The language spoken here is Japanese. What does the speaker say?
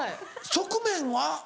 側面は？